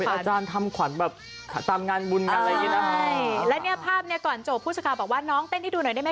อ๋ออาจารย์เรียกขวัญอะไรพวกนี้เนอะ